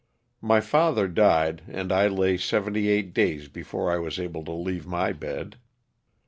My father died and I lay seventy eight days before I was able to leave my bed.